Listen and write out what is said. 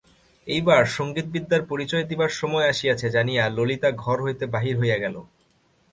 এইবার সংগীতবিদ্যার পরিচয় দিবার সময় আসিয়াছে জানিয়া ললিতা ঘর হইতে বাহির হইয়া গেল।